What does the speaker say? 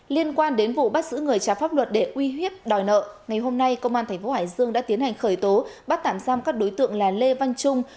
liên quan đến vụ bắt giữ người trái pháp luật để uy hiếp đòi nợ ngày hôm nay công an tp hải dương đã tiến hành khởi tố bắt tạm giam các đối tượng là lê văn trung